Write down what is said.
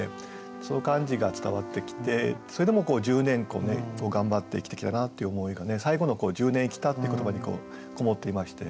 その感じが伝わってきてそれでも十年頑張って生きてきたなっていう思いが最後の「十年生きた」っていう言葉にこもっていまして。